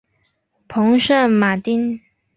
蓬圣马丁。